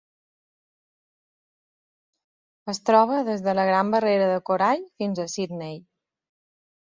Es troba des de la Gran Barrera de Corall fins a Sydney.